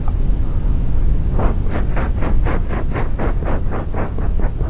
Par exemple Wikipédia ou Google utilisent les hyperliens pour faire du référencement en ligne.